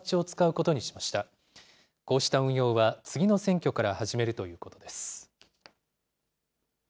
こうした運用は次の選挙から始めるということです。